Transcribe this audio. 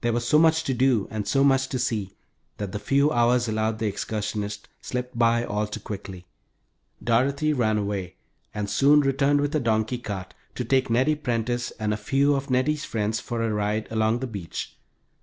There was so much to do and so much to see that the few hours allowed the excursionists slipped by all too quickly. Dorothy ran away and soon returned with her donkey cart, to take Nettie Prentice and a few of Nettie's friends for a ride along the beach.